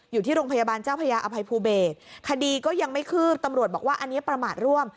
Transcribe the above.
อยู่ที่โรงพยาบาลเจ้าพระยาอภัยภูเบศคดีก็ยังไม่คืบตำรวจบอกว่าอันนี้ประมาทร่วม